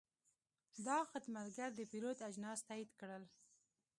دا خدمتګر د پیرود اجناس تایید کړل.